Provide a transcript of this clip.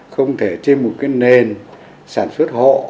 không thể trên một nền sản xuất hộ